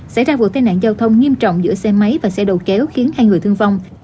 xảy ra vụ tai nạn giao thông nghiêm trọng giữa xe máy và xe đầu kéo khiến hai người thương vong